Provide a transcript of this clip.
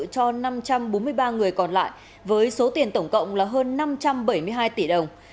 cho năm trăm bốn mươi ba người còn lại với số tiền tổng cộng là hơn năm trăm bảy mươi hai tỷ đồng